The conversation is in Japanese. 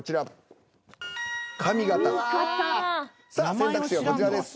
さあ選択肢はこちらです。